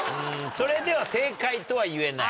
それでは正解とはいえない。